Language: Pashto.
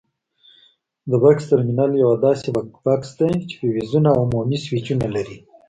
د بکس ترمینل یوه داسې بکس ده چې فیوزونه او عمومي سویچونه لري.